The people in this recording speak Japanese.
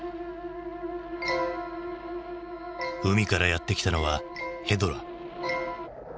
海からやって来たのはヘドラ。